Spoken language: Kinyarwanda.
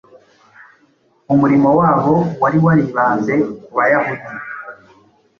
Umurimo wabo wari waribanze ku Bayahudi,